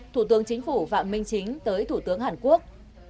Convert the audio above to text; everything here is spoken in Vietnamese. thủ tướng chính phủ phạm minh chính tới thủ tướng hàn quốc